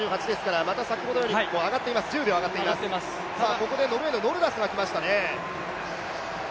ここでノルウェーのノルダスがきましたね。